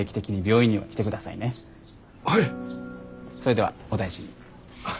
それではお大事に。